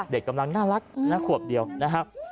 เด็กกำลังน่ารักนะขวบเดียวนะครับ